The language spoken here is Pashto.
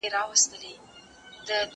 که وخت وي، د کتابتون کتابونه لوستل کوم،